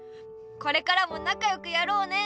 これからもなかよくやろうね。